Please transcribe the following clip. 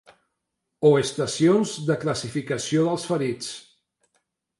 O estacions de classificació dels ferits